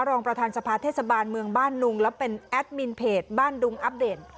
รองประธานสภาเทศบาลเมืองบ้านดุงและเป็นแอดมินเพจบ้านดุงอัปเดต